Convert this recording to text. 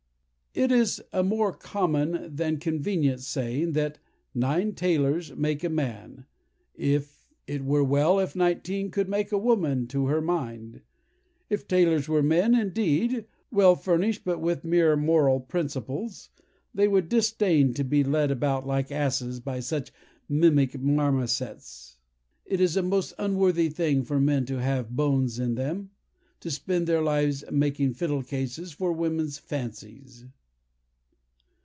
"It is a more common than convenient saying, that 'nine taylors make a man:' it were well if nineteen could make a woman to her mind. If taylors were men, indeed, well furnished but with mere moral principles, they would disdain to be led about like asses by such mymick marmosets. It is a most unworthy thing for men that have bones in them, to spend their lives in making fiddle cases for women's phansies.